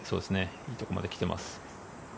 いいところまで来ています。